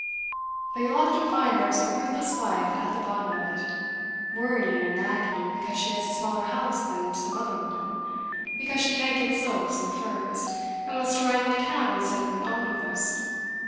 But you'll often find there's a worthless wife at the bottom of it, worrying and nagging because she has a smaller house than some other woman, because she can't get silks and furs, and wants to ride in a cab instead of an omnibus.